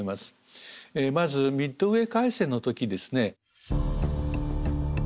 まずミッドウェー海戦の時ですね。